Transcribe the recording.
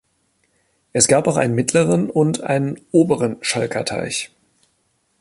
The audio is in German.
Es gab auch einen "Mittleren" und einen "Oberen Schalker Teich".